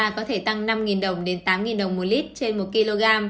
có thể tăng năm đồng đến tám đồng một lít trên một kg